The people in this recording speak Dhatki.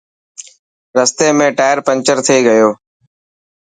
رستي ۾ ٽائر پينچر ٿي گيو.